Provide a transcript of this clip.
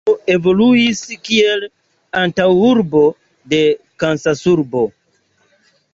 La urbo evoluis kiel antaŭurbo de Kansasurbo.